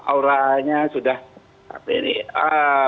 auranya sudah berubah